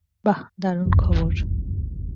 বাহ, দারুণ খবর।